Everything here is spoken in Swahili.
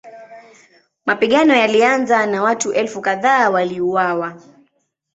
Mapigano yalianza na watu elfu kadhaa waliuawa.